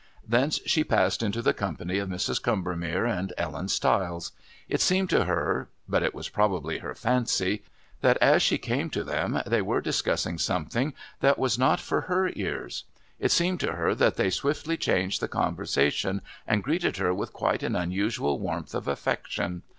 Thence she passed into the company of Mrs. Combermere and Ellen Stiles. It seemd to her but it was probably her fancy that as she came to them they were discussing something that was not for her ears. It seemed to her that they swiftly changed the conversation and greeted her with quite an unusual warmth of affection.